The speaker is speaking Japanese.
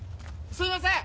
すいません！